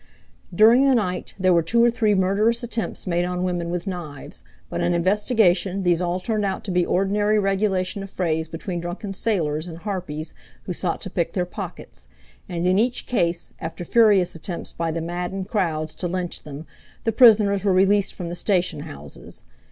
During the night there were two or three murderous attempts made on women with knives, but on investigation these all turned out to be ordinary regulation affrays between drunken sailors and harpies who sought to pick their pockets, and in each case, after furious attempts by the maddened crowds to lynch them, the prisoners were released from the station houses.